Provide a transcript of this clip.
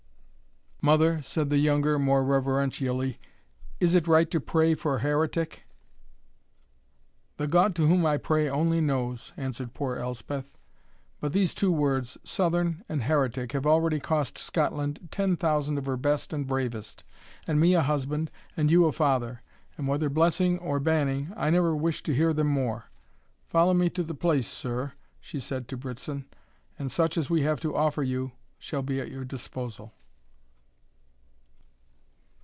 "Mother," said the younger, more reverentially, "is it right to pray for a heretic?" "The God to whom I pray only knows," answered poor Elspeth; "but these two words, Southern and heretic, have already cost Scotland ten thousand of her best and bravest, and me a husband, and you a father; and, whether blessing or banning, I never wish to hear them more. Follow me to the Place, sir," she said to Brittson, "and such as we have to offer you shall be at your disposal."